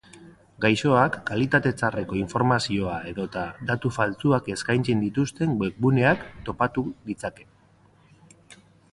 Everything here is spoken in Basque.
Gaixoak kalitate txarreko informazioa edota datu faltsuak eskaintzen dituzten webguneak topatu ditzake.